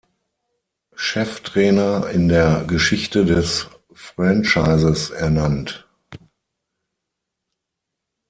Cheftrainer in der Geschichte des Franchises ernannt.